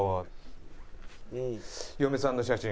嫁さんの写真。